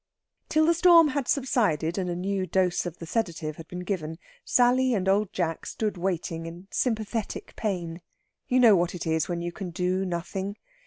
Till the storm had subsided and a new dose of the sedative had been given, Sally and Old Jack stood waiting in sympathetic pain you know what it is when you can do nothing.